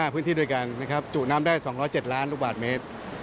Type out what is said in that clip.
พื้นที่ด้วยกันนะครับจุน้ำได้๒๐๗ล้านลูกบาทเมตร